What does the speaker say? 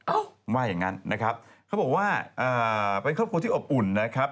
ว่าอย่างนั้นนะครับเขาบอกว่าเป็นครอบครัวที่อบอุ่นนะครับ